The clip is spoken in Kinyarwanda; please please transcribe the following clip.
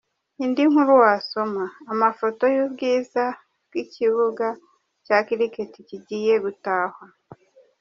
Indi nkuru wasoma: Amafoto y’ubwiza bw’ikibuga cya Cricket kigiye gutahwa.